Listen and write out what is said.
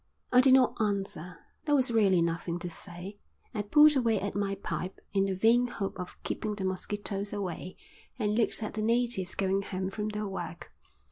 I did not answer. There was really nothing to say. I pulled away at my pipe in the vain hope of keeping the mosquitoes away, and looked at the natives going home from their work.